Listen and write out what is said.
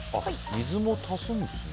水も足すんですね。